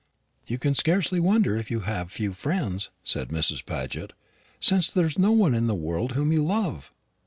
"You can scarcely wonder if you have few friends," said Miss Paget, "since there is no one in the world whom you love."